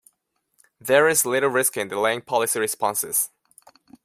There is little risk in delaying policy responses.